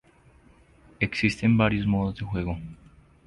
Existen varios modos de juego.